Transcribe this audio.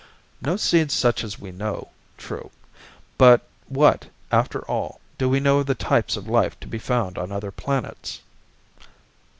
"No seeds such as we know, true. But what, after all, do we know of the types of life to be found on other planets?"